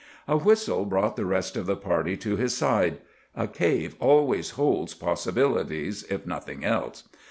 A whistle brought the rest of the party to his side. A cave always holds possibilities, if nothing else.